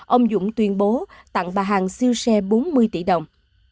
ông dũng tuyên bố tặng bà hằng siêu xe bốn mươi tỷ đồng